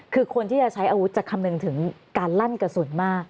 คือคนที่จะใช้อาวุธจะคำนึงถึงการลั่นกระสุนมาก